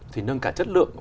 thì nâng cả chất lượng